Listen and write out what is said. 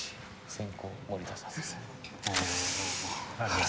先攻・森田さんです。